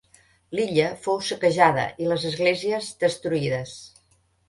L'illa fou saquejada i les esglésies destruïdes.